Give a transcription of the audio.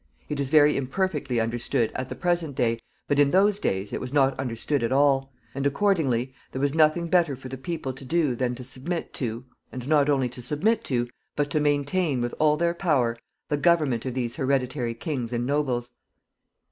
It is very imperfectly understood at the present day, but in those days it was not understood at all; and, accordingly, there was nothing better for the people to do than to submit to, and not only to submit to, but to maintain with all their power the government of these hereditary kings and nobles.